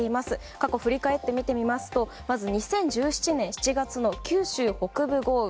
過去、振り返って見てみますとまず、２０１７年７月の九州北部豪雨。